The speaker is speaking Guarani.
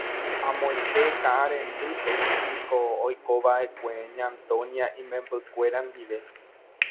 Amoite Ka'arendýpe niko oikova'ekue Ña Antonia imembykuéra ndive.